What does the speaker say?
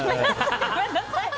ごめんなさい。